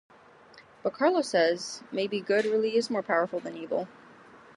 But Carlos says Maybe good really is more powerful than evil.